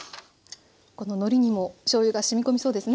こののりにもしょうゆがしみ込みそうですね。